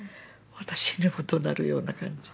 私にもどなるような感じ。